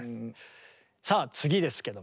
さあ次ですけども。